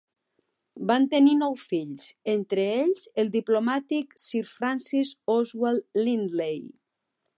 Van tenir nou fills, entre ells el diplomàtic Sir Francis Oswald Lindley.